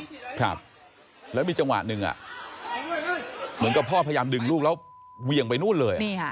ครับแล้วมีจังหวะหนึ่งอ่ะเหมือนกับพ่อพยายามดึงลูกแล้วเวียงไปนู่นเลยอ่ะนี่ค่ะ